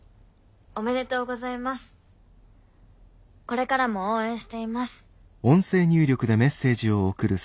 これからも応援しています。